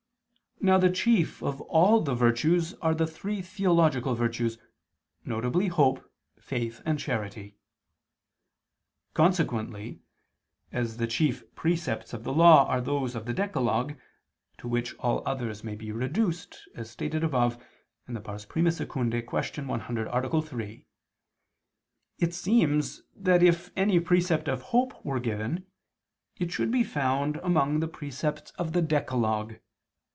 Now the chief of all the virtues are the three theological virtues, viz. hope, faith and charity. Consequently, as the chief precepts of the Law are those of the decalogue, to which all others may be reduced, as stated above (I II, Q. 100, A. 3), it seems that if any precept of hope were given, it should be found among the precepts of the decalogue.